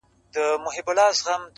لوړ اخلاق خاموشه تبلیغ دی’